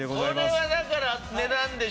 これはだから。